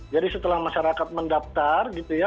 jadi setelah masyarakat mendaftar gitu ya